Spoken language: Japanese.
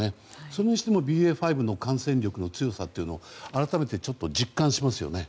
それにしても、ＢＡ．５の感染力の強さというのを改めてちょっと実感しますよね。